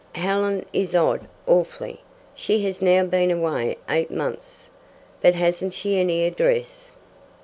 "Helen is odd, awfully. She has now been away eight months. "But hasn't she any address?"